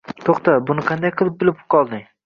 To`xta buni qanday bilib qolding